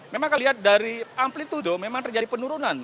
memang kalau lihat dari amplitude memang terjadi penurunan